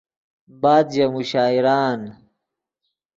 بعد ژے مشاعرآن